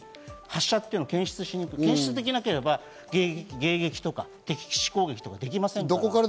発射というのは検出できなければ迎撃とか敵地攻撃はできませんから。